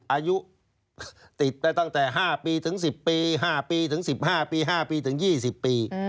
อายุติดได้ตั้งแต่๕ปีถึง๑๐ปี๕ปีถึง๑๕ปี๕ปีถึง๒๐ปี